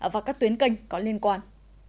và các tuyến canh có liên quan